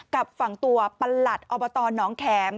กับฝั่งตัวประหลัดอบตน้องแข็ม